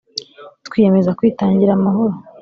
twiyemeza kwitangira amahoro